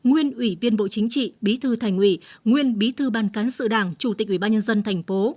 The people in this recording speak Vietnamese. ủy viên bộ chính trị bí thư thành ủy nguyên bí thư ban cán sự đảng chủ tịch ủy ban nhân dân tp